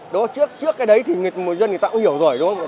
đó trước trước cái đấy thì người dân người ta cũng hiểu rồi đúng không